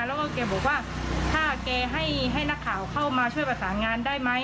แล้วก็แกบอกว่าถ้าแกให้นักข่าวเข้ามาช่วยประสานงานได้ไหม